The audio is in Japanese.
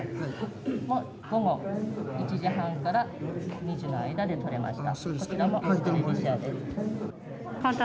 １時半から２時の間で取れました。